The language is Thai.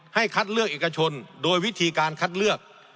คัดเลือกเอกชนโดยวิธีการคัดเลือก